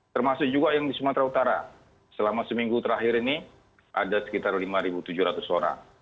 termasuk juga yang di sumatera utara selama seminggu terakhir ini ada sekitar lima tujuh ratus orang